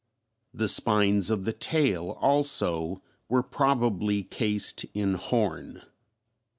The spines of the tail, also, were probably cased in horn.